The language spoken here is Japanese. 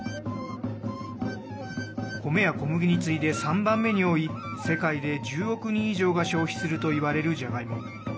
米や小麦に次いで、３番目に多い世界で１０億人以上が消費するといわれる、じゃがいも。